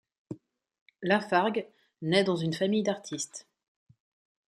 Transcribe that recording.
La Fargue naît dans une famille d'artistes.